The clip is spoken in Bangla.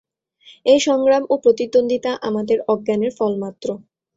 এই সংগ্রাম ও প্রতিদ্বন্দ্বিতা আমাদের অজ্ঞানের ফলমাত্র।